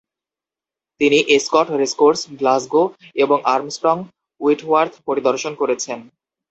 তিনি Ascot racecourse, Glasgow এবং Armstrong Whitworth পরিদর্শন করেছেন।